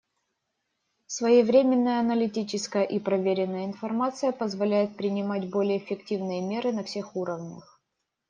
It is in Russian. Своевременная, аналитическая и проверенная информация позволяет принимать более эффективные меры на всех уровнях.